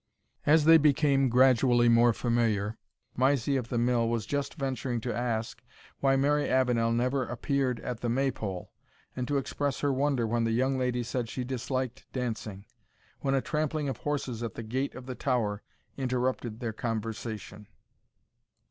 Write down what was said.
As they became gradually more familiar, Mysie of the Mill was just venturing to ask, why Mary Avenel never appeared at the May pole, and to express her wonder when the young lady said she disliked dancing, when a trampling of horses at the gate of the tower interrupted their conversation.